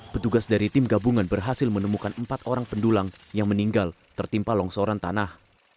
petugas dari tim gabungan berhasil menemukan empat orang pendulang yang meninggal tertimpa longsoran tanah